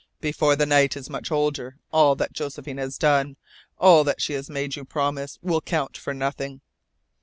Before the night is much older all that Josephine has done, all that she has made you promise, will count for nothing.